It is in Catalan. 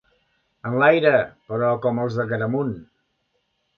Enlaire, però com els d'Agramunt.